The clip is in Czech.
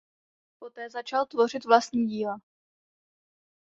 Poté začal tvořit vlastní díla.